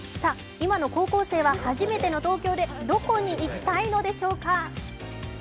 今の高校生は初めての高校でどこに行きたいのでしょうか。